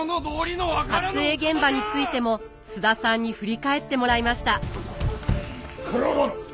撮影現場についても菅田さんに振り返ってもらいました九郎殿！